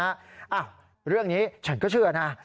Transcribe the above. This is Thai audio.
อ้าวเรื่องนี้ฉันก็เชื่อนะ